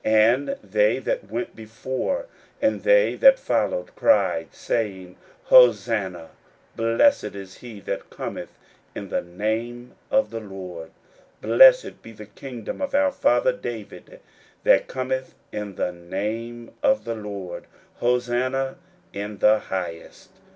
41:011:009 And they that went before, and they that followed, cried, saying, Hosanna; Blessed is he that cometh in the name of the Lord: 41:011:010 Blessed be the kingdom of our father David, that cometh in the name of the Lord: Hosanna in the highest.